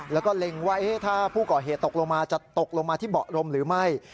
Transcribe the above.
แล้วก็เล็งว่าถ้าผู้ก่อเหตุตกลงมาจะตกลงมาที่เบาะรมหรือไม่